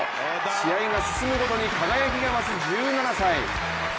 試合が進むごとに輝きが増す１７歳。